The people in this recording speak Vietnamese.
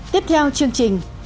tiếp theo chương trình